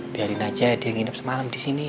biarin aja dia nginep semalam disini